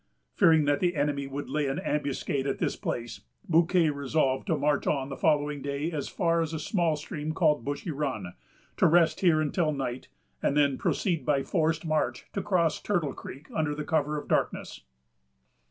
Fearing that the enemy would lay an ambuscade at this place, Bouquet resolved to march on the following day as far as a small stream called Bushy Run; to rest here until night, and then, by a forced march, to cross Turtle Creek under cover of the darkness.